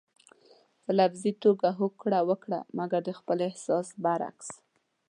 په لفظي توګه هوکړه وکړئ مګر د خپل احساس برعکس.